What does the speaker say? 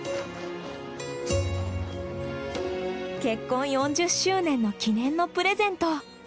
結婚４０周年の記念のプレゼント。